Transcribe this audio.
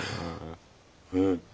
うん。